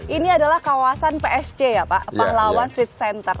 ini adalah kawasan psc ya pak pahlawan street center